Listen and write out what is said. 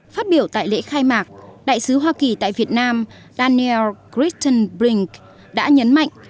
phát biểu tại lễ khai mạc đại sứ hoa kỳ tại việt nam daniel christenbrink đã nhấn mạnh